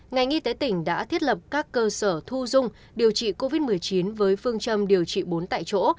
ngành y tế tỉnh đã thiết lập các cơ sở thu dung điều trị covid một mươi chín với phương châm điều trị bốn tại chỗ